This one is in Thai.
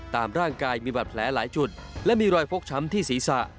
ตามร่างกายมีบาดแผลหลายจุดและมีรอยฟกช้ำที่ศีรษะ